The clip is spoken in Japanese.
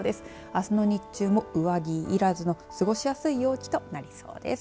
あすの日中も上着いらずの過ごしやすい陽気となりそうです。